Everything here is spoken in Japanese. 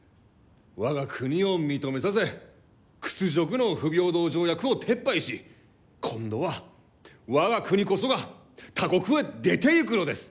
我が国を認めさせ屈辱の不平等条約を撤廃し今度は我が国こそが他国へ出ていくのです！